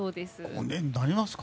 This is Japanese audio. ５年になりますか。